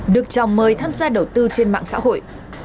được chào mời tham gia đầu tư trên mạng xã hội